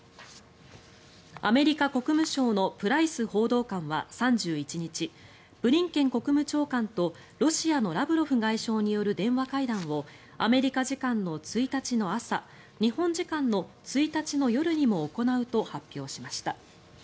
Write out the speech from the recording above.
アメリカ国務省のプライス報道官は３１日ブリンケン国務長官とロシアのラブロフ外相による電話会談をアメリカ時間の１日の朝日本時間の１日の夜にも行うと発表しました。